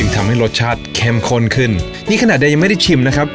ทำให้รสชาติเข้มข้นขึ้นนี่ขนาดใดยังไม่ได้ชิมนะครับ